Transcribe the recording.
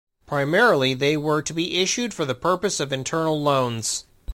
Primarily they were to be issued for the purpose of internal loans.